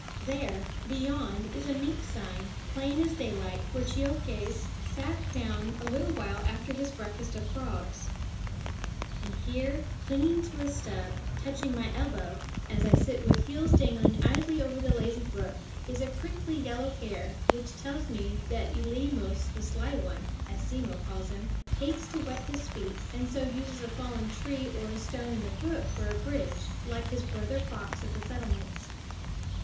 There, beyond, is a mink sign, plain as daylight, where Cheokhes sat down a little while after his breakfast of frogs. And here, clinging to a stub, touching my elbow as I sit with heels dangling idly over the lazy brook, is a crinkly yellow hair, which tells me that Eleemos the Sly One, as Simmo calls him, hates to wet his feet and so uses a fallen tree or a stone in the brook for a bridge, like his brother fox of the settlements.